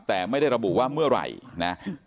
แต่ไม่ได้ระบุว่าเมื่อไหร่นะ